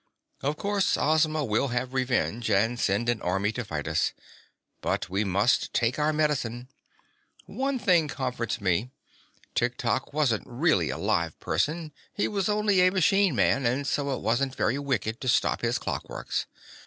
Of course Ozma will have revenge, and send an army to fight us, but we must take our medicine. One thing comforts me: Tiktok wasn't really a live person; he was only a machine man, and so it wasn't very wicked to stop his clockworks.